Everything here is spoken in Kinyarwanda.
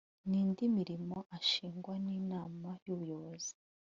n indi mirimo ashingwa n Inama y ubuyobozi